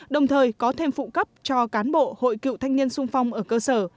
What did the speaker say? đồng thời có thêm phụ cấp cho cán bộ hội cựu thanh niên sung phong ở cơ sở